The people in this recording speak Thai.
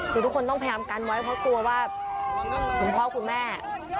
คือทุกคนต้องพยายามกันไว้เพราะกลัวว่าคุณพ่อคุณแม่